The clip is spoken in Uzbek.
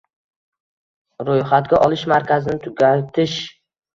Ro‘yxatga olish markazini tugatish